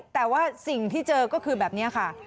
แต่ว่าสิ่งที่เจอก็คือแบบนี้ค่ะ